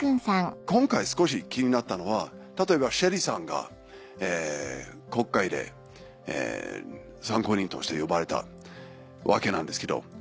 今回少し気になったのは例えばＳＨＥＬＬＹさんが国会で参考人として呼ばれたわけなんですけど。